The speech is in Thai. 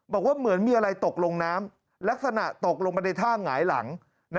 บอกว่าเหมือนมีอะไรตกลงน้ำลักษณะตกลงมาในท่าหงายหลัง